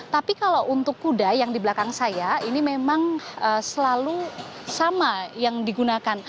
tapi kalau untuk kuda yang di belakang saya ini memang selalu sama yang digunakan